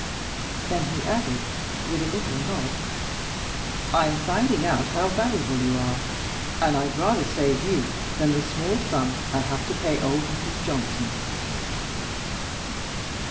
Then he added, with a little nod, "I'm finding out how valuable you are, and I'd rather save you than the small sum I have to pay old Mrs. Johnson."